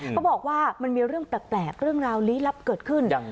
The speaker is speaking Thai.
เขาบอกว่ามันมีเรื่องแปลกเรื่องราวลี้ลับเกิดขึ้น